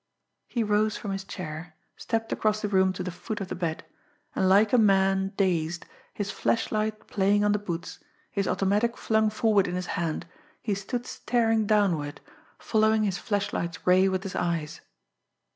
He rose from his chair, stepped across the room to the foot of the bed and like a man dazed, his flashlight playing on the boots, his automatic flung forward in his hand, he stood staring downward, following his flashlight's ray with his eyes.